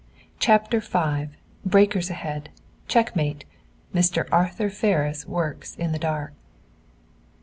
CHAPTER V. BREAKERS AHEAD! CHECKMATE! MR. ARTHUR FERRIS WORKS IN THE DARK.